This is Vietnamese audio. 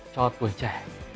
cho tuổi trẻ